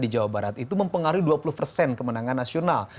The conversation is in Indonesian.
di jawa barat itu mempengaruhi dua puluh persen kemenangan nasional